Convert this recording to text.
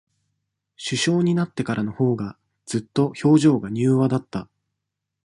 首相になってからのほうが、ずっと、表情が柔和だった。